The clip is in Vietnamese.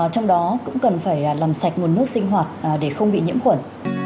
trong đó cũng cần phải làm sạch nguồn nước sinh hoạt để không bị nhiễm khuẩn